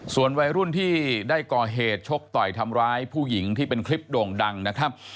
ส่วนวัยรุ่นที่ได้ก่อเหตุชกต่อยทำร้ายผู้หญิงที่เป็นคลิปโด่งดังนะครับ